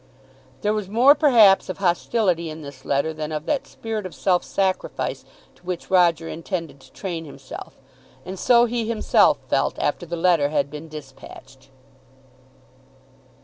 There was more perhaps of hostility in this letter than of that spirit of self sacrifice to which Roger intended to train himself; and so he himself felt after the letter had been dispatched.